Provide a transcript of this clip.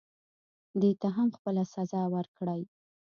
دې ته هم خپله سزا ورکړئ.